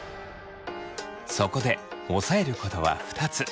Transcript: そこで押さえることは２つ。